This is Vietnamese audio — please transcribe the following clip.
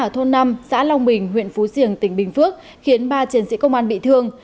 thôn năm xã long bình huyện phú diềng tỉnh bình phước khiến ba triển sĩ công an bị thương